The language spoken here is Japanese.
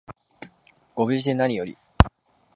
ご無事でなにより